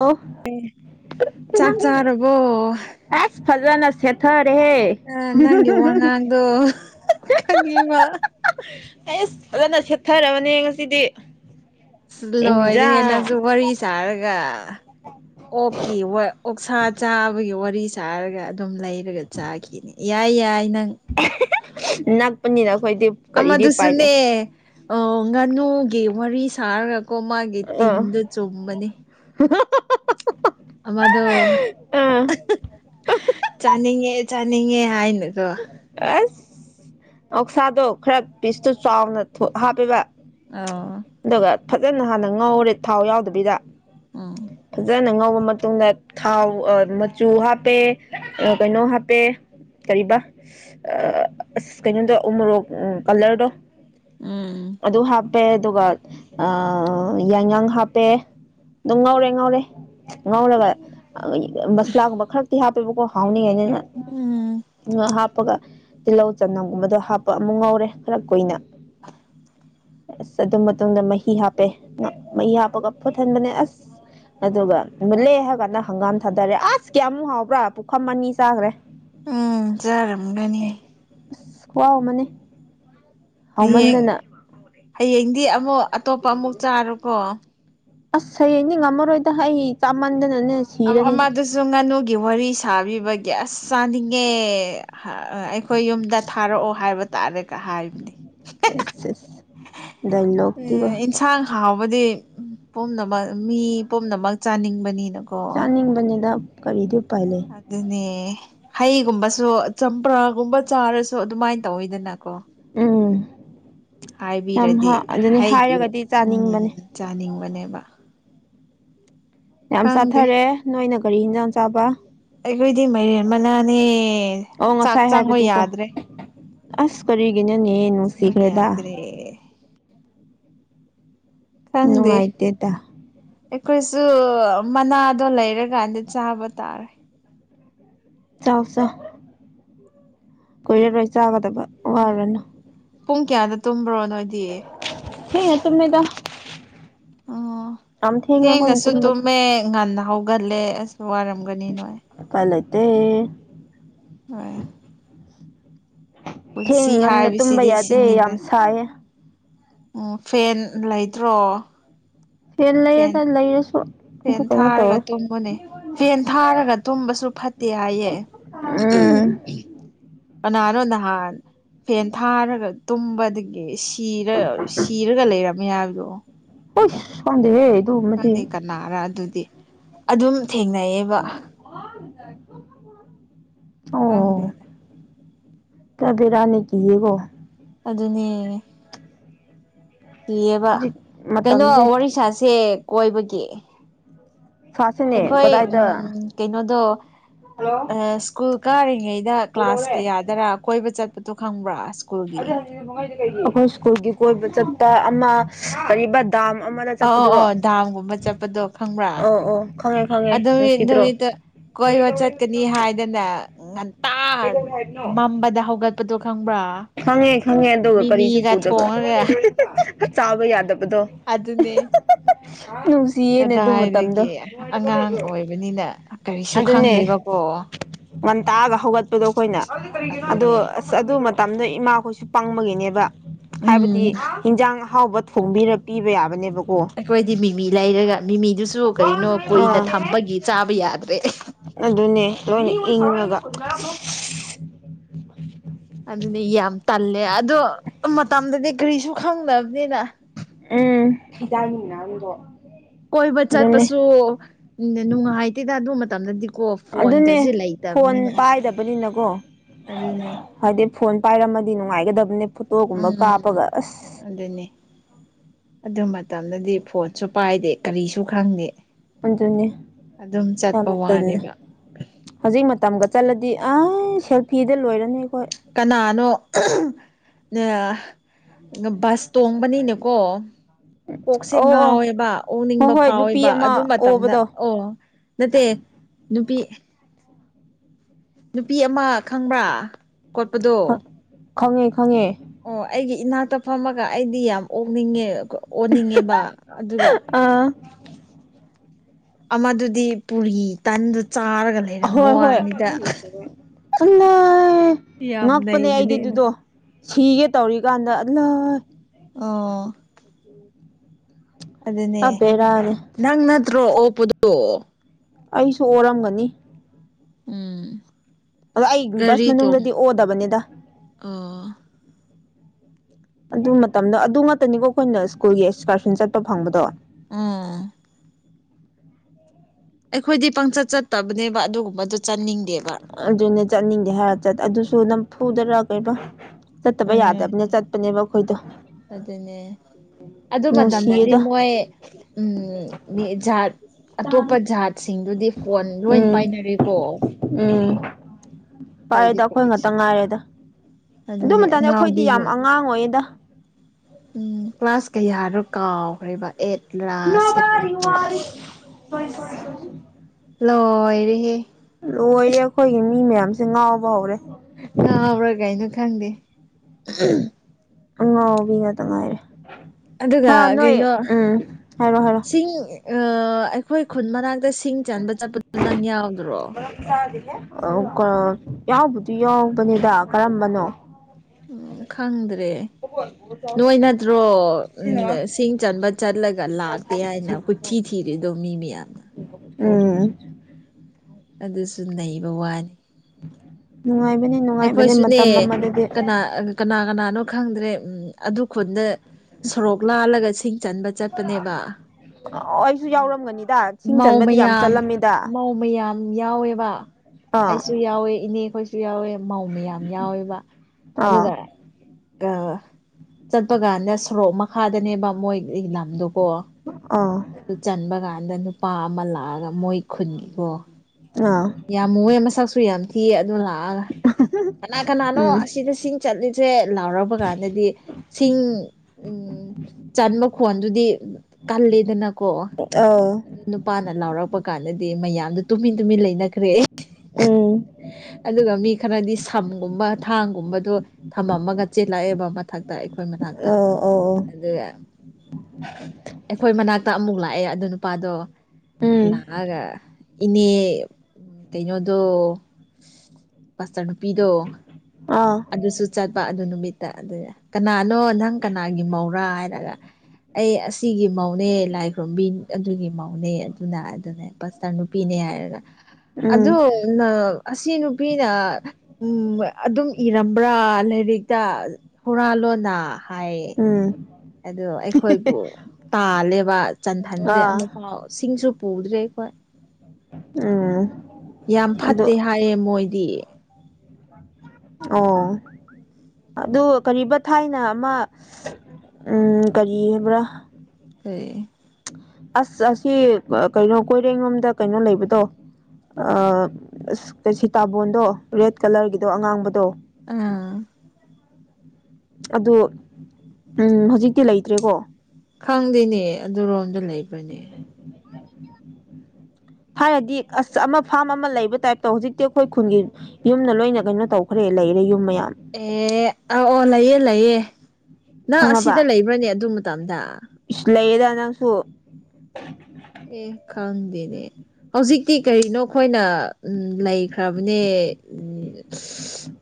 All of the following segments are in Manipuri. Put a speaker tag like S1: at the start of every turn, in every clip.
S1: ꯑꯣ
S2: ꯆꯥꯛ
S1: ꯅꯪꯒꯤ
S2: ꯆꯥꯔꯕꯣ
S1: ꯑꯁ ꯐꯖꯅ ꯁꯦꯊꯔꯦꯍꯦ
S2: ꯑꯥ ꯅꯪ ꯒꯔ ꯋꯥꯉꯥꯡ ꯑꯗꯨ ꯈꯪꯉꯦꯕ
S1: ꯑꯩꯁ ꯐꯖꯅ ꯁꯦꯠꯊꯔꯕꯅꯦ ꯉꯁꯤꯗꯤ
S2: ꯂꯣꯏꯔꯦꯍꯦ ꯅꯪꯁꯨ
S1: ꯏꯟꯖꯥꯡ
S2: ꯋꯥꯔꯤ ꯁꯥꯔꯒ ꯑꯣꯛꯀꯤ ꯑꯣꯛꯁꯥ ꯆꯥꯕꯒꯤ ꯋꯥꯔꯤ ꯁꯥꯥꯔꯒ ꯑꯗꯨꯝ ꯂꯩꯔ ꯍꯥꯏꯔꯒ ꯆꯥꯈꯤꯅꯦ ꯌꯥꯏ ꯌꯥꯏ ꯅꯪ
S1: ꯅꯛꯄꯅꯤꯅ ꯑꯩꯈꯣꯏꯗꯤ ꯀꯔꯤꯗꯤ ꯎꯄꯥꯏ ꯂꯩ
S2: ꯑꯃꯗꯨꯁꯨꯅꯦ ꯑꯣ ꯉꯥꯅꯨꯒꯤ ꯋꯥꯔꯤ ꯁꯥꯔꯒ ꯀꯣ ꯃꯥꯒꯤ
S1: ꯑꯥ
S2: ꯇꯤꯟꯗꯨ ꯆꯨꯝꯕꯅꯤ
S1: [unintelligible]
S2: ꯑꯃꯗꯣ
S1: ꯑꯥ
S2: ꯆꯥꯅꯤꯡꯉꯦ ꯆꯥꯅꯤꯡꯉꯦ ꯍꯥꯏꯅꯀꯣ
S1: ꯑꯁ ꯑꯧꯁꯥꯗꯣ ꯈꯔ ꯄꯤꯁꯇꯨ ꯆꯥꯎꯅ ꯍꯥꯞꯄꯦꯕ
S2: ꯑꯣ
S1: ꯑꯗꯨꯒ ꯐꯖꯅ ꯍꯥꯟꯅ ꯉꯧꯔꯦ ꯊꯥꯎ ꯌꯥꯎꯗꯕꯤꯗ
S2: ꯎꯝ
S1: ꯐꯖꯅ ꯉꯧꯕ ꯃꯇꯨꯡꯗ ꯊꯥꯎ ꯃꯆꯨ ꯍꯥꯞꯄꯦ ꯀꯩꯅꯣ ꯍꯥꯞꯄꯦ ꯀꯔꯤꯕ ꯑꯁ ꯀꯩꯅꯣꯗꯣ ꯎꯨ ꯃꯣꯔꯣꯛ ꯀꯂꯔꯗꯣ
S2: ꯎꯝ
S1: ꯑꯗꯨ ꯍꯥꯞ ꯍꯥꯞꯄꯦ ꯑꯗꯨꯒ ꯌꯥꯏꯉꯪ ꯍꯥꯞꯄꯦ ꯑꯗꯨꯝ ꯉꯥꯎꯔꯦ ꯉꯥꯎꯔꯦ ꯉꯥꯎꯔꯒ ꯃꯁꯂꯥꯒꯨꯝꯕ ꯈꯔꯛꯇꯤ ꯍꯥꯞꯄꯦꯕꯀꯣ ꯍꯥꯎꯅꯤꯡꯉꯥꯏꯅꯤ
S2: ꯎꯝ
S1: ꯉ ꯍꯥꯞꯄꯒ ꯇꯤꯜꯍꯧ ꯆꯅꯝꯒꯨꯝꯕꯗꯣ ꯍꯥꯞꯄ ꯑꯃꯨꯛ ꯉꯧꯔꯦ ꯈꯔ ꯀꯨꯏꯅ ꯑꯁ ꯑꯗꯨ ꯃꯇꯨꯡꯗ ꯃꯍꯤ ꯍꯥꯞꯄꯦ ꯃꯍꯤ ꯍꯥꯞꯄꯒ ꯐꯣꯠꯍꯟꯕꯅꯦ ꯑꯁ ꯑꯗꯨꯒ ꯃꯠꯂꯦ ꯍꯥꯏ ꯀꯥꯟꯅ ꯍꯪꯒꯥꯝ ꯊꯥꯗꯔꯦ ꯑꯁ ꯀꯌꯥꯃꯨꯛ ꯍꯥꯎꯕ꯭ꯔꯥ ꯄꯨꯈꯝ ꯑꯅꯤ ꯆꯥꯈ꯭ꯔꯦ
S2: ꯎꯝ ꯆꯔꯝꯒꯅꯤ
S1: ꯈꯨꯍꯥꯎ ꯃꯅꯤ
S2: ꯍꯌꯦꯡ ꯍꯌꯦꯡꯗꯤ ꯑꯃꯨꯛ ꯑꯇꯣꯞꯄ ꯑꯃꯨꯛ ꯆꯥꯔꯨꯀꯣ
S1: ꯑꯁ ꯍꯌꯦꯡꯗꯤ ꯉꯝꯃꯔꯣꯏꯗ ꯑꯩ ꯆꯥꯃꯟꯗꯅꯅꯦ ꯁꯤꯔꯅꯤꯗ
S2: ꯑꯃꯗꯨꯁꯨ ꯉꯥꯅꯨꯒꯤ ꯋꯥꯔꯤ ꯁꯥꯕꯤꯕꯒꯤ ꯑꯁ ꯆꯥꯅꯤꯡꯉꯦ ꯑꯩꯈꯣꯏ ꯌꯨꯝꯗ ꯊꯥꯔꯛꯑꯣ ꯍꯥꯏꯕ ꯇꯥꯔꯦꯒ ꯍꯥꯏꯕꯅꯤ
S1: ꯑꯦꯁ ꯑꯦꯁ ꯗꯥꯏꯂꯣꯛꯇꯤꯒꯣ
S2: ꯑꯦ ꯏꯟꯁꯥꯡ ꯍꯥꯎꯕꯗꯤ ꯄꯨꯝꯅꯃꯛ ꯃꯤ ꯄꯨꯝꯅꯃꯛ ꯆꯥꯅꯤꯡꯕꯅꯤꯅ
S1: ꯆꯥꯅꯤꯡꯕꯅꯤꯗ ꯀꯔꯤꯗꯤ ꯎꯄꯥꯏ ꯂꯩ
S2: ꯑꯗꯨꯅꯦ ꯍꯩꯒꯨꯝꯕꯁꯨ ꯆꯝꯄ꯭ꯔꯥꯒꯨꯝꯕ ꯆꯥꯔꯁꯨ ꯑꯗꯨꯃꯥꯏꯟ ꯇꯧꯋꯤꯗꯅꯀꯣ
S1: ꯎꯝ ꯌꯥꯝ
S2: ꯍꯥꯏꯕꯤꯔꯗꯤ
S1: ꯑꯗꯨꯅꯤ
S2: ꯍꯩꯒꯤ
S1: ꯍꯥꯏꯔꯒꯗꯤ
S2: ꯎꯝ
S1: ꯆꯥꯅꯤꯡꯕꯅꯦ
S2: ꯆꯥꯅꯤꯡꯕꯅꯦꯕ
S1: ꯌꯥꯝ
S2: ꯈꯪꯗꯦ
S1: ꯆꯥꯊꯔꯦ ꯅꯣꯏꯅ ꯀꯔꯤ ꯏꯟꯖꯥꯡ ꯆꯥꯕ
S2: ꯑꯩꯈꯣꯏꯗꯤ ꯃꯥꯏꯔꯦꯟ ꯃꯅꯥꯅꯦ
S1: ꯑꯣ
S2: ꯆꯥꯛ
S1: ꯉꯁꯥꯏ
S2: ꯆꯪꯕ
S1: ꯍꯥꯏꯕꯗꯨꯀꯣ
S2: ꯌꯥꯗ꯭ꯔꯦ
S1: ꯑꯁ ꯀꯔꯤꯒꯤꯅꯅꯦ ꯅꯨꯡꯁꯤꯈ꯭ꯔꯦꯗ
S2: ꯑꯦ ꯈꯪꯗꯤ
S1: ꯅꯨꯡꯉꯥꯏꯇꯦꯗ
S2: ꯑꯩꯈꯣꯏꯁꯨ ꯃꯅꯥꯗꯣ ꯂꯩꯔꯀꯥꯟꯗ ꯆꯥꯕ ꯇꯥꯔꯦ
S1: ꯆꯥꯎ ꯆꯥꯎ ꯀꯨꯏꯔꯔꯣꯏ ꯆꯥꯒꯗꯕ ꯋꯥꯔꯨꯅꯨ
S2: ꯄꯨꯡ ꯀꯌꯥꯗ ꯇꯨꯝꯕ꯭ꯔꯣ ꯅꯣꯏꯗꯤ
S1: ꯊꯦꯡꯅ ꯇꯨꯝꯃꯤꯗ
S2: ꯑꯣ
S1: ꯊꯦꯡꯉꯦ ꯑꯩꯈꯣꯏꯅ
S2: ꯊꯦꯡꯅꯁꯨ
S1: ꯇꯨꯝꯕꯗꯣ
S2: ꯇꯨꯝꯃꯦ ꯉꯟꯅ ꯍꯧꯒꯠꯂꯦ ꯑꯁ ꯋꯥꯔꯝꯒꯅꯤ ꯅꯣꯏ
S1: ꯎꯄꯥꯏ ꯂꯩꯇꯦ
S2: ꯍꯣꯏ
S1: ꯊꯦꯡ
S2: ꯄꯨꯟꯁꯤ
S1: ꯉꯟꯅ ꯇꯨꯝꯕ
S2: ꯍꯥꯏꯕꯁꯤꯗꯤ
S1: ꯌꯥꯗꯦ ꯌꯥꯝ
S2: ꯁꯤꯅꯤꯗ
S1: ꯁꯥꯏꯌꯦ
S2: ꯎꯝ ꯐꯦꯟ ꯂꯩꯇ꯭ꯔꯣ
S1: ꯐꯦꯟ
S2: ꯐꯦꯟ
S1: ꯂꯩꯌꯦꯗ ꯂꯩꯔꯁꯨ ꯑꯗꯨ
S2: ꯐꯦꯟ
S1: ꯀꯩꯅꯣ
S2: ꯊꯥꯔꯒ
S1: ꯇꯧꯔꯦ
S2: ꯇꯨꯝꯃꯨꯅꯦ ꯐꯦꯟ ꯊꯥꯔꯒ ꯇꯨꯝꯕꯁꯨ ꯐꯠꯇꯦ ꯍꯥꯏꯌꯦ
S1: ꯎꯝ
S2: [unintelligible] ꯀꯅꯥꯅꯣ ꯅꯍꯥꯟ ꯐꯦꯟ ꯊꯥꯔꯒ ꯇꯨꯝꯕꯗꯒꯤ ꯁꯤ ꯁꯤꯔ ꯁꯤꯔꯒ ꯂꯩꯔꯝꯃꯦ ꯍꯥꯏꯕꯗꯨ
S1: ꯎꯩꯁ ꯈꯪꯗꯦꯍꯦ ꯑꯗꯨꯃꯗꯤ
S2: ꯅꯥꯔ ꯑꯗꯨꯗꯤ ꯑꯗꯨꯝ ꯊꯦꯡꯅꯩꯌꯦꯕ
S1: [inaudible]
S2: ꯈꯪꯗꯦ
S1: ꯀꯕꯤꯔꯥꯅꯤ ꯀꯦꯒꯤꯒꯣ
S2: ꯑꯗꯨꯅꯦ ꯀꯤꯌꯦꯕ
S1: ꯍꯧꯖꯤꯛ
S2: ꯀꯩꯅꯣ
S1: ꯃꯇꯝꯁꯦ
S2: ꯋꯥꯔꯤ ꯁꯥꯥꯁꯦ ꯀꯣꯏꯕꯒꯤ
S1: ꯐꯥꯁꯤꯅꯦ
S2: ꯑꯩꯈꯣꯏ
S1: ꯀꯗꯥꯏꯗ
S2: ꯎꯝ ꯀꯩꯅꯣꯗꯣ ꯁ꯭ꯀꯨꯜ ꯀꯥꯔꯤꯉꯩꯗ ꯀ꯭ꯂꯥꯁ ꯀꯌꯥꯗꯔ ꯀꯣꯏꯕ ꯆꯠꯄꯗꯣ ꯈꯪꯕ꯭ꯔꯥ
S1: [unintelligible]
S2: ꯁ꯭ꯀꯨꯜꯒꯤ
S1: ꯑꯩꯈꯣꯏ ꯁ꯭ꯀꯨꯜꯒꯤ ꯀꯣꯏꯕ ꯆꯠꯄ ꯑꯃ ꯀꯔꯤꯕ ꯗꯥꯝ ꯑꯃꯗ
S2: ꯑꯣ ꯑꯣ
S1: ꯆꯠꯄꯗꯨꯔꯣ
S2: ꯑꯣ ꯗꯥꯝꯒꯨꯝꯕ ꯆꯠꯄꯗꯣ ꯈꯪꯕ꯭ꯔꯥ
S1: ꯑꯣ ꯑꯣ ꯈꯪꯉꯦ ꯈꯪꯉꯦ
S2: ꯑꯗꯨꯏ
S1: ꯅꯨꯡꯁꯤꯗ꯭ꯔꯣ
S2: ꯅꯨꯃꯤꯠꯇ ꯀꯣꯏꯕ ꯆꯠꯀꯅꯤ ꯍꯥꯏꯗꯅ ꯉꯟ ꯇꯥ ꯃꯝꯕꯗ ꯍꯧꯒꯠꯄꯗꯣ ꯈꯪꯕ꯭ꯔꯥ
S1: ꯈꯪꯉꯦ ꯈꯪꯉꯦ ꯑꯗꯨꯒ ꯀꯔꯤꯁꯨ
S2: ꯃꯤꯃꯤꯒ
S1: ꯄꯨꯗꯕ
S2: ꯊꯣꯡꯉꯒ
S1: ꯆꯥꯕ ꯌꯥꯗꯕꯗꯣ
S2: ꯑꯗꯨꯅꯦ
S1: ꯅꯨꯡꯁꯤꯌꯦꯅꯦ ꯑꯗꯨ ꯃꯇꯝꯗꯣ
S2: ꯀꯗꯥꯏꯗꯒꯤ ꯑꯉꯥꯡ ꯑꯣꯏꯕꯅꯤꯅ ꯀꯔꯤꯁꯨ ꯈꯪꯗꯦꯕ ꯑꯣ
S1: ꯉꯟꯇꯥꯒ ꯍꯧꯒꯠ ꯗꯣ ꯑꯩꯈꯣꯏꯅ ꯑꯗꯣ
S2: ꯑꯗꯨꯅꯦ
S1: ꯑꯁ ꯑꯗꯨ ꯃꯇꯝꯗꯣ ꯏꯃꯥꯈꯣꯏꯁꯨ ꯄꯪꯕꯒꯤꯅꯦꯕ ꯍꯥꯏꯕꯗꯤ
S2: ꯎꯝ
S1: ꯏꯟꯖꯥꯡ ꯑꯍꯥꯎꯕ ꯊꯣꯡꯕꯤꯔ ꯄꯤꯕ ꯌꯥꯕꯅꯦꯕ
S2: ꯑꯩꯈꯣꯏꯗꯤ ꯃꯤꯃꯤ ꯂꯩꯔꯒ ꯃꯤꯃꯤꯗꯨꯁꯨ ꯀꯔꯤꯅꯣ ꯀꯨꯏꯅ
S1: ꯑꯥ
S2: ꯊꯝꯕꯒꯤ ꯆꯥꯕ ꯌꯥꯗ꯭ꯔꯦ
S1: ꯑꯗꯨꯅꯦ ꯂꯣꯏꯅ ꯏꯪꯉꯒ
S2: ꯑꯗꯨꯅꯦ ꯌꯥꯝ ꯇꯜꯂꯦ ꯑꯗꯣ ꯃꯇꯝꯗꯗꯤ ꯀꯔꯤꯁꯨ ꯈꯪꯗꯕꯅꯤꯅ
S1: ꯎꯝ [unintelligible] ꯑꯗꯨꯅꯤ
S2: ꯑꯣ ꯅꯨꯡꯉꯥꯏꯇꯦꯗ ꯑꯗꯨ ꯃꯇꯝꯗꯗꯤꯀꯣ
S1: ꯑꯗꯨꯅꯦ
S2: ꯐꯣꯟꯒꯖꯦ ꯂꯩꯇꯕꯅꯤꯅ
S1: ꯐꯣꯟ
S2: ꯑꯗꯨꯅꯦ
S1: [unintelligible] ꯍꯥꯏꯗꯤ ꯐꯣꯟ ꯄꯥꯏꯔꯝꯃꯗꯤ ꯅꯨꯡꯉꯥꯏꯒꯗꯕꯅꯦ ꯐꯣꯇꯣꯒꯨꯝꯕ ꯀꯥꯞꯄꯒ ꯑꯁ
S2: [unintelligible] ꯑꯗꯨꯅꯤ ꯑꯗꯨ ꯃꯇꯝꯗꯗꯤ ꯐꯣꯟꯁꯨ ꯄꯥꯏꯗꯦ ꯀꯔꯤꯁꯨ ꯈꯪꯗꯦ
S1: ꯑꯗꯨꯅꯤ
S2: ꯑꯗꯨꯝ
S1: ꯌꯥꯝ
S2: ꯆꯠꯄ
S1: ꯇꯜꯂꯦ
S2: ꯋꯥꯅꯦꯕ
S1: ꯍꯧꯖꯤꯛ ꯃꯇꯝꯒ ꯆꯠꯂꯗꯤ ꯑꯩ ꯁꯦꯜꯐꯤꯗ ꯂꯣꯏꯔꯅꯤ ꯑꯩꯈꯣꯏ
S2: ꯀꯅꯥꯅꯣ ꯅꯥꯍ__ ꯉ ꯕꯁ ꯇꯣꯡꯕꯅꯤꯅꯦꯀꯣ ꯀꯣꯛꯁꯦ
S1: ꯑꯣ ꯑꯣ
S2: ꯉꯥꯎꯋꯦꯕ
S1: ꯍꯣꯏ
S2: ꯑꯣꯅꯤꯡꯕ
S1: ꯍꯣꯏ ꯅꯨꯄꯤ
S2: ꯐꯥꯎꯋꯦꯕ ꯑꯗꯨ
S1: ꯑꯃ
S2: ꯃꯇꯝꯗ
S1: ꯑꯣꯕꯗꯣ
S2: ꯑꯣ ꯅꯠꯇꯦ ꯅꯨꯄꯤ ꯅꯨꯄꯤ ꯑꯃ ꯈꯪꯕ꯭ꯔꯥ ꯀꯣꯠꯄꯗꯣ
S1: ꯈꯪꯉꯦ ꯈꯪꯉꯦ
S2: ꯑꯣ ꯑꯩꯒꯤ ꯏꯅꯥꯛꯇ ꯐꯝꯃꯒ ꯑꯩꯗꯤ ꯌꯥꯝ ꯑꯣꯛꯅꯤꯡꯉꯦ ꯑꯣꯅꯤꯡꯉꯦꯕ ꯑꯗꯨꯒ
S1: ꯑꯥ
S2: ꯑꯃꯗꯨꯗꯤ ꯄꯨꯔꯤ ꯇꯟꯗꯨ ꯆꯥꯔꯒ ꯂꯩꯔꯝꯕ ꯋꯥꯅꯤꯗ
S1: ꯑꯂꯏ
S2: ꯌꯥꯝ
S1: ꯉꯛꯄꯅꯦ ꯑꯩꯗꯤ
S2: ꯅꯩꯕꯅꯦꯅ
S1: ꯑꯗꯨꯗꯣ ꯁꯤꯒꯦ ꯇꯧꯔꯤꯀꯥꯟꯗ ꯑꯂꯥꯏ
S2: ꯑꯣ
S1: [unintelligible]
S2: ꯑꯗꯨꯅꯦ
S1: ꯑ ꯕꯦꯔꯥꯅꯦ
S2: ꯅꯪ ꯅꯠꯇ꯭ꯔꯣ ꯑꯣꯛꯄꯗꯣ
S1: ꯑꯩꯁꯨ ꯑꯣꯔꯝꯒꯅꯤ
S2: ꯎꯝ
S1: ꯑꯗ ꯑꯩ ꯕꯁ
S2: ꯒꯥꯔꯤ ꯇꯣꯡ
S1: ꯃꯅꯨꯡꯗꯗꯤ ꯑꯣꯗꯕꯅꯦꯗ
S2: ꯑꯣ
S1: ꯑꯗꯨ ꯃꯇꯝꯗꯣ ꯑꯗꯨ ꯉꯥꯛꯇꯅꯤꯀꯣ ꯑꯩꯈꯣꯏꯅ ꯁ꯭ꯀꯨꯜꯒꯤ ꯑꯦꯛꯁꯀꯥꯔꯁꯟ ꯆꯠꯄ ꯐꯪꯕꯗꯣ
S2: ꯎꯝ ꯑꯩꯈꯣꯏꯗꯤ ꯄꯪꯆꯠ ꯆꯠꯇꯕꯅꯦꯕ ꯑꯗꯨꯒꯨꯝꯕꯗꯣ ꯆꯠꯅꯤꯡꯗꯦꯕ
S1: ꯑꯗꯨꯅꯦ ꯆꯠꯅꯤꯡꯗꯦ ꯍꯥꯏꯔ ꯆꯠ ꯑꯗꯨꯁꯨ ꯅꯝꯐꯨꯗꯔꯥ ꯀꯩꯅꯣ ꯇꯕ ꯌꯥꯗꯕꯅꯦ
S2: ꯎꯝ
S1: ꯆꯠꯄꯅꯦꯕ [unintelligible]
S2: ꯑꯗꯨꯅꯦ ꯑꯗꯨ ꯃꯇꯝꯗꯗꯤ
S1: ꯅꯨꯡꯁꯤꯌꯦꯗ
S2: ꯃꯣꯏ ꯎꯝ ꯃꯤ ꯖꯥꯠ ꯑꯇꯣꯞꯄ ꯖꯥꯠꯁꯤꯡꯗꯨꯗꯤ ꯐꯣꯟ ꯂꯣꯏꯟ
S1: ꯎꯝ
S2: ꯄꯥꯏꯅꯔꯦꯀꯣ
S1: ꯎꯝ
S2: ꯀꯣꯏꯗꯤ
S1: ꯄꯥꯏꯔꯦꯗ ꯑꯩꯈꯣꯏ
S2: ꯀꯔꯤꯁꯨ
S1: ꯉꯥꯛꯇ ꯉꯥꯏꯔꯦꯗ ꯑꯗꯨ
S2: ꯑꯗꯨꯅꯦ
S1: ꯃꯇꯝꯗꯤ ꯑꯩꯈꯣꯏꯗꯤ ꯌꯥꯝ
S2: ꯑꯉꯥꯎꯕꯤꯒꯨꯝ
S1: ꯑꯉꯥꯡ ꯑꯣꯏꯌꯦꯗ
S2: ꯎꯝ ꯀ꯭ꯂꯥꯁ ꯀꯌꯥꯔꯣ ꯀꯥꯎꯈ꯭ꯔꯦꯕ ꯑꯩꯠ
S1: [unintelligible]
S2: ꯂꯣꯏꯔꯦꯍꯦ
S1: ꯂꯣꯏꯔꯦ ꯑꯈꯣꯏꯒꯤ ꯃꯤ ꯃꯌꯥꯝꯁꯦ ꯉꯥꯎꯕ ꯍꯧꯔꯦ
S2: ꯉꯥꯎꯕ꯭ꯔꯥ ꯀꯩꯅꯣ ꯈꯪꯗꯦ
S1: ꯉꯥꯎꯕꯤ ꯉꯥꯛꯇ ꯉꯥꯏꯔꯦ
S2: ꯑꯗꯨꯒ
S1: ꯍꯥ ꯅꯣꯏ ꯎꯝ ꯍꯥꯏꯔꯣ ꯍꯥꯏꯔꯣ
S2: ꯆꯤꯡ [unintelligible] ꯑ ꯑꯩꯈꯣꯏ ꯈꯨꯟ ꯃꯅꯥꯛꯇ ꯁꯤꯡ ꯆꯟꯕ ꯆꯠꯄꯗꯨ ꯅꯪ ꯌꯥꯎ__
S1: [unintelligible] ꯌꯥꯎꯕꯨꯗꯤ ꯌꯥꯎꯕꯅꯦꯗ ꯀꯔꯝꯕꯅꯣ
S2: ꯎꯝ ꯈꯪꯗ꯭ꯔꯦ
S1: [unintelligible]
S2: ꯅꯣꯏ ꯅꯠꯇ꯭ꯔꯣ ꯎꯝ ꯁꯤꯡ ꯆꯟꯕ ꯆꯠꯂꯒ ꯂꯥꯛꯇꯦ ꯍꯥꯏꯅ ꯀꯨꯊꯤ ꯊꯤꯔꯤꯗꯣ ꯃꯤ ꯃꯌꯥꯝꯅ
S1: ꯎꯝ
S2: ꯑꯗꯨꯁꯨ ꯅꯩꯕ ꯋꯥꯅꯤ
S1: ꯅꯨꯡꯉꯥꯏꯕꯅꯦ ꯅꯨꯡꯉꯥꯏꯕꯅꯦ
S2: ꯑꯩꯈꯣꯏꯁꯨꯅꯦ
S1: ꯃꯇꯝ ꯑꯃꯗꯗꯤ
S2: ꯀꯅꯥ__ ꯀꯅꯥ ꯀꯅꯥꯅꯣ ꯈꯪꯗ꯭ꯔꯦ ꯎꯝ ꯑꯗꯨ ꯈꯨꯨꯟꯗ ꯁꯣꯔꯣꯛ ꯂꯥꯜꯂꯒ ꯁꯤꯡ__ ꯆꯟꯕ ꯆꯠꯄꯅꯦꯕ
S1: ꯑ ꯑꯣꯏ
S2: ꯎ ꯃꯥꯧ ꯃꯌꯥꯝ
S1: ꯆꯠꯂꯝꯃꯤꯗ
S2: ꯃꯧ ꯃꯌꯥꯝ ꯌꯥꯎꯋꯦꯕ
S1: ꯑꯥ
S2: ꯑꯩꯁꯨ ꯌꯥꯎꯋꯦ ꯏꯅꯦ ꯈꯈꯣꯏꯁꯨ ꯌꯥꯎꯋꯦ ꯃꯥꯧ ꯃꯌꯥꯝ ꯌꯥꯎꯋꯦꯕ
S1: ꯑꯥ
S2: ꯑꯗꯨꯒ ꯆꯠꯄ ꯀꯥꯟꯗ ꯁꯣꯔꯣꯛ ꯃꯈꯥꯗꯅꯦꯕ ꯃꯣꯏ ꯑꯩ ꯂꯝꯝꯗꯨꯀꯣ
S1: ꯑꯥ
S2: ꯑꯗꯨ ꯆꯟꯕ ꯀꯥꯟꯗ ꯅꯨꯄꯥ ꯑꯃ ꯂꯥꯛꯑꯒ ꯃꯣꯏ ꯈꯨꯟꯅꯤꯀꯣ
S1: ꯑꯥ
S2: ꯌꯥꯝ ꯃꯨꯦ ꯃꯁꯛꯁꯨ ꯌꯥꯝ ꯊꯤꯑ ꯑꯗꯨꯅ ꯂꯥꯛꯑꯒ ꯀꯅꯥ ꯀꯅꯥꯅꯣ
S1: ꯎꯝ
S2: ꯑꯁꯤꯗꯁꯤꯡ ꯆꯠꯂꯤꯁꯦ ꯂꯥꯎꯔꯕ ꯀꯥꯟꯗꯗꯤ ꯁꯤꯡ ꯎꯝ ꯎꯝ ꯆꯟꯕ ꯈꯣꯟꯗꯨꯗꯤ ꯀꯜꯂꯦꯗꯅꯀꯣ
S1: ꯑ
S2: ꯑꯗꯨ ꯅꯨꯄꯥꯅ ꯂꯥꯎꯔꯛꯄ ꯀꯥꯟꯗꯗꯤ ꯃꯌꯥꯝꯗꯣ ꯇꯨꯃꯤꯟ ꯇꯨꯃꯤꯟ ꯂꯩꯅꯈ꯭ꯔꯦ
S1: ꯎꯝ
S2: ꯑꯗꯨꯒ ꯃꯤ ꯈꯔꯗꯤ ꯁꯝꯒꯨꯝꯕ ꯊꯥꯡꯒꯨꯝꯕꯗꯣ ꯊꯝꯃꯝꯃꯒ ꯆꯦꯜꯂꯛꯑꯦꯕ ꯃꯊꯛꯇ ꯑꯩꯈꯣꯏ ꯃꯅꯥꯛꯇ
S1: ꯑꯥ
S2: ꯑ ꯑꯩꯈꯣꯏ ꯃꯅꯥꯛꯇ ꯑꯃꯨꯛ ꯂꯥꯛꯑꯦ ꯑꯗꯨ ꯅꯨꯄꯥꯗꯣ ꯂꯒ ꯏꯅꯦ ꯀꯩꯅꯣꯗꯣ ꯃꯁꯇ ꯅꯨꯨꯄꯤꯗꯣ
S1: ꯑꯥ
S2: ꯑꯗꯨꯁꯨ ꯆꯠꯄ ꯑꯗꯨ ꯅꯨꯃꯤꯠꯇ ꯑꯗꯨ ꯀꯅꯥꯅꯣ ꯅꯪ ꯀꯅꯥꯒꯤ ꯃꯧꯔꯥ ꯍꯥꯏꯔꯒ ꯑꯩ ꯑꯁꯤꯒꯤ ꯃꯧꯅꯦ ꯂꯥꯏꯈ꯭ꯔꯨꯝꯝꯕꯤ ꯑꯗꯨꯒꯤ ꯃꯧꯅꯦ ꯑꯗꯨꯅ ꯑꯗꯨꯅꯦ ꯄꯁꯇꯔ ꯅꯨꯄꯤꯅꯦ ꯍꯥꯏꯔꯒ
S1: ꯎꯝ ꯑꯥ ꯎꯝ
S2: ꯑꯗꯣ ꯑꯁꯤ ꯅꯨꯄꯤꯅ ꯎ ꯑꯗꯨꯝ ꯏꯔꯝꯕ꯭ꯔꯥ ꯂꯥꯏꯔꯤꯛꯇ ꯍꯨꯔꯥꯜꯂꯣꯅ ꯍꯥꯏꯌꯦ
S1: ꯎꯝ
S2: ꯑꯗꯣ ꯑꯩꯈꯣꯏꯕꯨ ꯇꯥꯜꯂꯦꯕ ꯆꯪꯍꯟꯗ꯭ꯔꯦ
S1: ꯑꯥ
S2: ꯑꯃꯥꯎ ꯁꯤꯡꯁꯨ ꯄꯨꯗ꯭ꯔꯦ ꯑꯩꯈꯣꯏ
S1: ꯎꯝ
S2: ꯌꯥꯝ
S1: ꯑꯗꯨ
S2: ꯐꯠꯇꯦ ꯍꯥꯏꯌꯦ ꯃꯣꯏꯗꯤ
S1: ꯑꯣ ꯑꯗꯨ ꯀꯔꯤꯕ ꯊꯥꯏꯅ ꯑꯃ ꯎꯝ ꯀꯔꯤ ꯍꯥꯏꯕ꯭ꯔꯥ
S2: ꯑꯩ
S1: ꯑꯁ ꯑꯁꯤ ꯀꯩꯅꯣ ꯀꯣꯏꯔꯦꯡ ꯂꯣꯝꯗ ꯀꯩꯅꯣ ꯂꯩꯕꯗꯣ ꯑ ꯑꯁ ꯁꯤꯇꯥꯕꯣꯟꯗꯣ ꯔꯦꯠ ꯀꯂꯔꯒꯤꯗꯣ ꯑꯉꯥꯡꯕꯗꯣ
S2: ꯑꯥ
S1: ꯑꯗꯨ ꯎꯝ ꯍꯧꯖꯤꯛꯇꯤ ꯂꯩꯇ꯭ꯔꯦꯀꯣ
S2: ꯈꯪꯗꯦꯅꯦ ꯑꯗꯨꯔꯣꯝꯗ ꯂꯩꯕꯅꯦ
S1: [unintelligible] ꯊꯥꯏꯅꯗꯤ ꯑꯁ ꯑꯃ ꯐꯥꯝ ꯑꯃ ꯂꯩꯕ ꯇꯥꯏꯞꯇꯣ ꯍꯧꯖꯤꯛꯇꯤ ꯑꯩꯈꯣꯏ ꯈꯨꯟꯒꯤ ꯌꯨꯝꯅ ꯂꯣꯏꯅ ꯀꯩꯅꯣ ꯇꯧꯈ꯭ꯔꯦ ꯂꯩꯔꯦ ꯌꯨꯝ ꯃꯌꯥꯝ
S2: ꯑꯦ ꯑ ꯑꯣ ꯂꯩꯌꯦ ꯂꯩꯌꯦ ꯅꯪ ꯑꯁꯤꯗ
S1: ꯈꯪꯉꯕ
S2: ꯂꯩꯕ꯭ꯔꯅꯦ ꯑꯗꯨ ꯃꯇꯝꯗ
S1: ꯂꯩꯌꯦꯗ ꯅꯪꯁꯨ
S2: ꯑꯦ ꯈꯪꯗꯦꯅꯦ ꯍꯧꯖꯤꯛꯇꯤ ꯀꯔꯤꯅꯣ ꯑꯩꯈꯣꯏꯅ ꯎꯝ ꯂꯩꯈ꯭ꯔꯕꯅꯦ ꯎ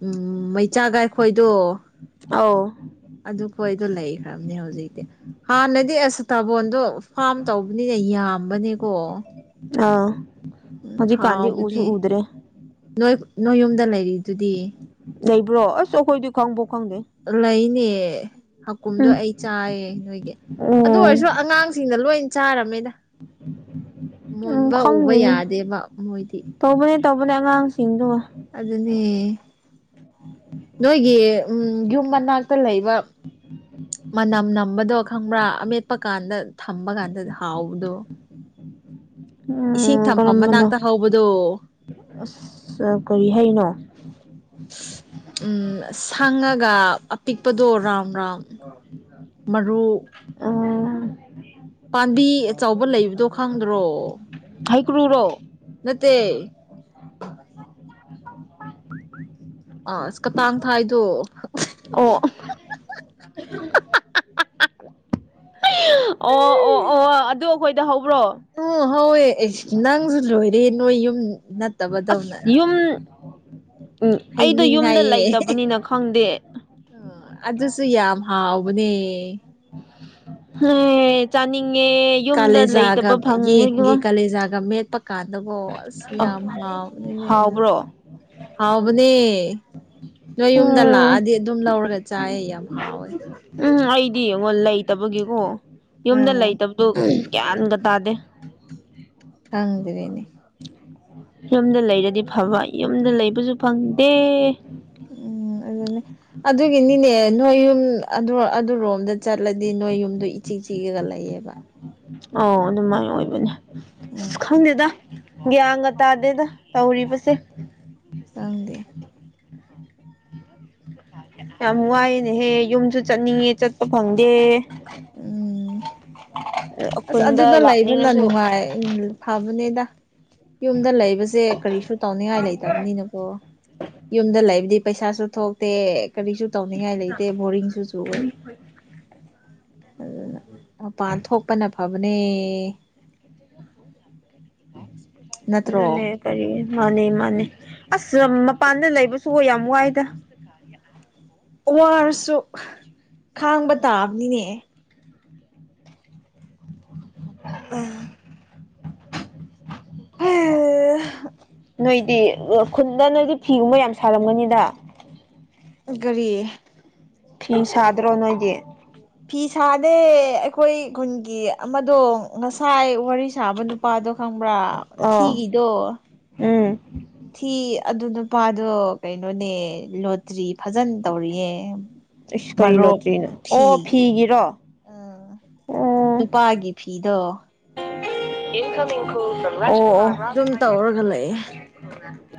S2: ꯎꯝ ꯃꯩꯆꯥꯒ ꯑꯩꯈꯣꯏꯗꯣ
S1: ꯑꯧ
S2: ꯑꯗꯨꯈꯣꯏꯗꯣ ꯂꯩꯈ꯭ꯔꯕꯅꯦ ꯍꯧꯖꯤꯛꯇꯤ ꯍꯥꯟꯅꯗꯤ ꯑꯁ ꯁꯤꯇꯥꯕꯣꯟꯗꯣ ꯐꯥꯝ ꯇꯧꯕꯅꯤꯅ ꯌꯥꯝꯕꯅꯦꯀꯣ
S1: ꯑꯥ
S2: ꯎꯝ
S1: ꯍꯧꯖꯤꯛ ꯀꯥꯟꯗꯤ ꯎꯁꯨ
S2: ꯍꯥꯎꯕꯅꯦ
S1: ꯎꯗꯔꯦ
S2: ꯅꯣꯏ ꯅꯣꯏ ꯌꯨꯝꯗ ꯂꯩꯔꯤꯗꯨꯗꯤ
S1: ꯂꯩꯕ꯭ꯔꯣ ꯑꯁ ꯑꯩꯈꯣꯏꯗꯤ ꯈꯪꯕꯨ ꯈꯪꯗꯦ
S2: ꯂꯩꯅꯦ ꯍꯥꯀꯨꯝꯗꯣ
S1: ꯎꯝ
S2: ꯑꯩ ꯆꯥꯏꯌꯦ ꯅꯣꯏꯒꯤ ꯑꯗꯨ
S1: ꯑꯣ
S2: ꯑꯣꯏꯔꯁꯨ ꯑꯉꯥꯡ ꯁꯤꯡꯅ ꯂꯣꯏ ꯆꯥꯔꯝꯃꯦꯗ
S1: ꯎꯝ
S2: ꯃꯨꯣꯟꯕ ꯎꯕ
S1: ꯈꯪꯗꯦꯅꯦ
S2: ꯌꯥꯗꯦꯕ ꯃꯣꯏꯗꯤ
S1: ꯇꯧꯕꯅꯦ ꯇꯧꯕꯅꯦ ꯑꯉꯥꯡꯁꯤꯡꯗꯨ
S2: ꯑꯗꯨꯅꯦ ꯅꯣꯏꯒꯤ ꯎꯝ ꯌꯨꯝ ꯃꯅꯥꯛꯇ ꯂꯩꯕ ꯃꯅꯝ ꯅꯝꯕꯗꯣ ꯈꯪꯕ꯭ꯔꯥ ꯑꯃꯦꯠꯄ ꯀꯥꯟꯗ ꯊꯝꯕ ꯀꯥꯟꯗ ꯍꯥꯎꯕꯗꯣ ꯏꯁꯤꯡ
S1: ꯎꯝ
S2: ꯊꯝꯐꯝ
S1: ꯀꯔꯝꯕꯅꯣ
S2: ꯃꯅꯥꯛꯇ ꯍꯧꯕꯗꯣ
S1: ꯑꯁ ꯀꯔꯤ ꯍꯩꯅꯣ
S2: ꯎꯝ ꯁꯪꯉꯒ ꯑꯄꯤꯛꯄꯗꯣ ꯔꯥꯎꯟ ꯔꯥꯎꯟ ꯃꯔꯨ
S1: ꯑ [unintelligible]
S2: ꯄꯥꯝꯕꯤ ꯑꯆꯧꯕ ꯂꯩꯕꯗꯣ ꯈꯪꯗ꯭ꯔꯣ
S1: ꯍꯩꯀ꯭ꯔꯨꯔꯣ
S2: ꯅꯠꯇꯦ ꯑ ꯀꯇꯥꯡ ꯊꯥꯏꯗꯣ [unintelligible]
S1: ꯑꯣ ꯑꯣ ꯑꯣ ꯑꯣ ꯑꯗꯨ ꯑꯩꯈꯣꯏꯗ ꯍꯧꯕ꯭ꯔꯣ
S2: ꯎꯝ ꯍꯧꯋꯦ ꯅꯪꯁꯨ ꯂꯣꯏꯔꯦ ꯅꯣꯏ ꯌꯨꯝ ꯅꯠꯇꯕꯗꯧꯅ
S1: ꯑꯁ ꯌꯨꯝ ꯎꯝ ꯑꯩꯗꯣ
S2: ꯍꯩꯅꯤꯡ
S1: ꯌꯨꯝꯗ
S2: ꯍꯥꯏꯌꯦ
S1: ꯂꯩꯇꯕꯅꯤꯅ ꯈꯪꯗꯦ
S2: ꯑꯗꯨꯁꯨ ꯌꯥꯝ ꯍꯥꯎꯕꯅꯦ
S1: ꯆꯥꯅꯤꯡꯉꯦ ꯌꯨꯝꯗ
S2: ꯀꯂꯦꯖꯒ
S1: ꯂꯩꯇꯕ
S2: ꯌꯦꯟꯒꯤ
S1: ꯐꯪꯕꯒꯤꯀꯣ
S2: ꯀꯂꯦꯖꯒ ꯃꯦꯠ ꯄꯀꯥꯟꯗꯕꯣ ꯑꯁ
S1: ꯑ
S2: ꯌꯥꯝ ꯍꯥꯎꯕꯅꯤꯅꯦ ꯑꯗꯨ
S1: ꯍꯥꯎꯕ꯭ꯔꯣ
S2: ꯍꯥꯎꯕꯅꯦ ꯅꯣꯏ ꯌꯨꯝꯗ
S1: ꯎꯝ
S2: ꯂꯥꯛꯑꯗꯤ ꯑꯗꯨꯝ ꯂꯧꯔꯒ ꯆꯥꯏꯌꯦ ꯌꯥꯝ ꯍꯥꯎꯏ
S1: ꯎꯝ ꯑꯩꯗꯤ ꯌꯦꯡꯉꯣ ꯂꯩꯇꯕꯒꯤꯀꯣ ꯌꯨꯝꯗ
S2: ꯎꯝ
S1: ꯂꯩꯇꯕꯗꯣ ꯒ꯭ꯌꯥꯟꯒ ꯇꯥꯗꯦ
S2: ꯈꯪꯗꯔꯦꯅꯦ
S1: ꯌꯨꯝꯗ ꯂꯩꯔꯗꯤ ꯐꯕ ꯌꯨꯝꯗ ꯂꯩꯕꯁꯨ ꯐꯪꯗꯦ
S2: ꯎꯝ ꯑꯗꯨꯅꯦ ꯑꯗꯨꯒꯤꯅꯤꯅꯦ ꯅꯣꯏ ꯌꯨꯝ ꯑꯗꯨꯔꯣꯝꯗ ꯆꯠꯂꯗꯤ ꯅꯣꯏ ꯌꯨꯝꯗꯣ ꯏꯆꯤꯛ ꯆꯤꯛꯑꯒ ꯂꯩꯌꯦꯕ
S1: ꯑꯣ ꯑꯗꯨꯃꯥꯏꯅ ꯑꯣꯏꯕꯅꯦ ꯑꯁ
S2: ꯎꯝ
S1: ꯈꯪꯗꯦꯗ ꯒ꯭ꯌꯥꯟꯒ ꯇꯥꯗꯦꯗ ꯇꯧꯔꯤꯕꯁꯦ
S2: ꯌꯥꯪꯗꯦ
S1: ꯌꯥꯝ ꯋꯥꯏꯅꯦꯍꯦ ꯌꯨꯝꯁꯨ ꯆꯠꯅꯤꯡꯉꯦ ꯆꯠꯄ ꯐꯪꯗꯦ
S2: ꯎꯝ
S1: ꯑꯦ
S2: ꯑꯁ ꯑꯗꯨꯗ ꯂꯩꯕꯅ ꯅꯨꯡꯉꯥꯏ ꯐꯕꯅꯦꯗ ꯌꯨꯝꯗ ꯂꯩꯕꯁꯦ ꯀꯔꯤꯁꯨ ꯇꯧꯅꯤꯡꯉꯥꯏ ꯂꯩꯇꯕꯅꯤꯅꯀꯣ ꯌꯨꯝꯗ ꯂꯩꯕꯗꯤ ꯄꯩꯁꯥꯁꯨ ꯊꯣꯛꯇꯦ ꯀꯔꯤꯁꯨ ꯇꯧꯅꯤꯡꯉꯥꯏ ꯂꯩꯇꯦ ꯕꯣꯔꯤꯡꯁꯨꯁꯨ ꯑꯣꯏ ꯑꯗꯨꯅ ꯃꯄꯥꯟ ꯊꯣꯛꯄꯅ ꯐꯕꯅꯦ ꯅꯠꯇ꯭ꯔꯣ
S1: ꯑꯗꯨꯅꯦ ꯀꯔꯤ ꯃꯥꯅꯤ ꯃꯥꯅꯤ ꯑꯁ ꯃꯄꯥꯟꯗ ꯂꯩꯕꯁꯨ ꯍ ꯌꯥꯝ ꯋꯥꯏꯗ
S2: ꯋꯥꯔꯁꯨ ꯈꯥꯡꯕ ꯇꯥꯕꯅꯤꯅꯦ ꯑꯥ
S1: ꯅꯣꯏꯗꯤ ꯈꯨꯟꯗ ꯅꯣꯏꯗꯤ ꯐꯤꯒꯨꯝꯕ ꯌꯥꯝ ꯁꯥꯔꯝꯒꯅꯤꯗ
S2: ꯒꯥꯔꯤ
S1: ꯐ ꯁꯥꯗ꯭ꯔꯣ ꯅꯣꯏꯗꯤ
S2: ꯐꯤ ꯁꯥꯅꯦꯦ ꯑꯩꯈꯣꯏ ꯈꯨꯟꯒꯤ ꯑꯃꯗꯣ ꯉꯁꯥꯏ ꯋꯥꯔꯤ ꯁꯥꯕ ꯅꯨ ꯄꯥꯥꯗꯣ ꯈꯪꯕ꯭ꯔꯥ
S1: ꯑꯥ
S2: ꯊꯤꯒꯤꯗꯣ
S1: ꯎꯝ
S2: ꯊꯤ ꯑꯗꯨ ꯅꯨꯄꯥꯗꯣ ꯀꯩꯅꯣꯅꯦ ꯂꯣꯇ꯭ꯔꯤ ꯐꯖꯅ ꯇꯧꯔꯤꯌꯦ
S1: ꯑꯁ ꯀꯔꯤ ꯂꯣꯠꯇ꯭ꯔꯤꯅꯣ ꯑꯣ ꯐꯤꯒꯤꯔꯣ
S2: ꯎꯝ ꯅꯨꯄꯥꯒꯤ ꯐꯤꯗꯣ
S1: ꯏꯟ ꯀꯝꯡ ꯀꯣ
S2: ꯑꯗꯨꯝ ꯇꯧꯔꯒ ꯂꯩꯌꯦꯦ